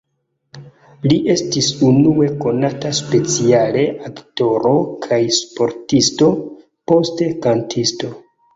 Li estas unue konata speciale aktoro kaj sportisto, poste kantisto.